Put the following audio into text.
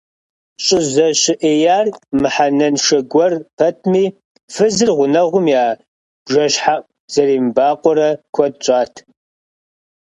ЩӀызэщыӀеяр мыхьэнэншэ гуэр пэтми, фызыр гъунэгъум я бжэщхьэӀу зэремыбакъуэрэ куэд щӀат.